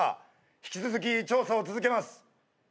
引き続き調査を続けます。